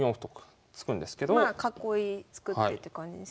囲い作ってって感じですかね。